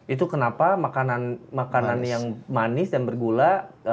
itu kenapa makanan yang manis dan bergula